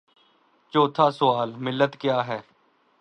چوتھا سوال: ملت کیاہے؟